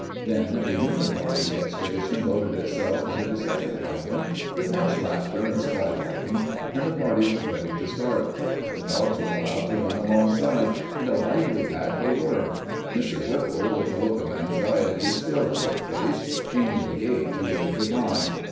Then the human part of the expedition loaded itself into the second wagon, with much laughter and skylarking, and the party was ready to start. The dogs were allowed to run alongside, and a lively pack they were. Mrs. Whipple, with a look of anxiety still on her face, came to the gate to wave good by.